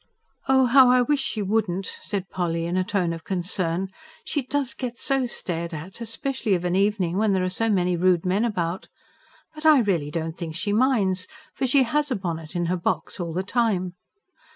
"Oh, how I wish she wouldn't!" said Polly in a tone of concern. "She does get so stared at especially of an evening, when there are so many rude men about. But I really don't think she minds. For she HAS a bonnet in her box all the time."